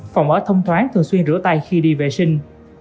phòng ở thông thoáng thường xuyên rửa tay khi đi vệ sinh